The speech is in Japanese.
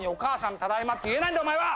ただいま」って言えないんだお前は！